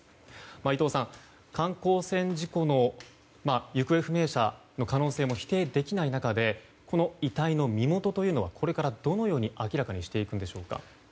伊藤さん、観光船事故の行方不明者の可能性も否定できない中でこの遺体の身元というのはこれからどのように明らかにしていくんでしょうか。